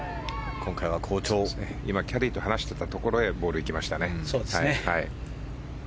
今キャディーと話していたところへボールが行きましたね。